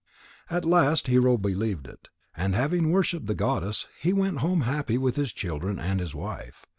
At last Hero believed it, and having worshipped the goddess, he went home happy with his children and his wife.